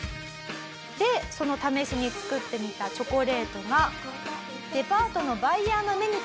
その試しに作ってみたチョコレートが。